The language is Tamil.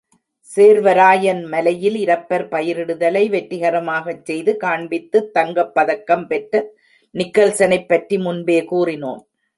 சேர்வராயன் மலையில் இரப்பர் பயிரிடுதலை வெற்றிகரமாகச் செய்து காண்பித்துத் தங்கப்பதக்கம் பெற்ற நிக்கல்சனைப்பற்றி முன்பே கூறினோம்.